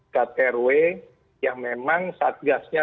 kat rw yang memang saat gasnya